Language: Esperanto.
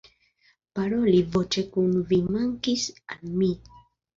Paroli voĉe kun vi mankis al mi